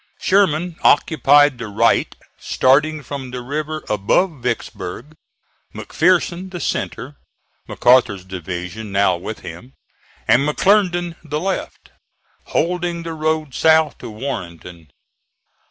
Sherman occupied the right starting from the river above Vicksburg, McPherson the centre (McArthur's division now with him) and McClernand the left, holding the road south to Warrenton.